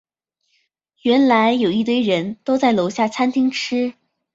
原来有一堆人都在楼下餐厅吃